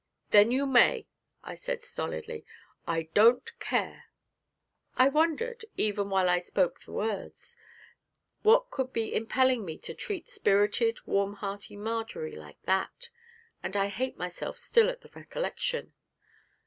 'Then, you may,' I said stolidly; 'I don't care.' I wondered, even while I spoke the words, what could be impelling me to treat spirited, warm hearted Marjory like that, and I hate myself still at the recollection.